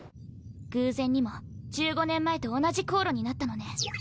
偶然にも１５年前と同じ航路になったのね。